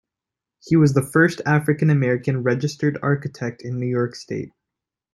He was the first African American registered architect in New York State.